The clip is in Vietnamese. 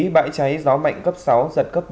bãi cháy gió mạnh cấp sáu giật cấp bảy